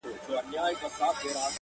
د سورلنډیو انګولا به پښتانه بېروي٫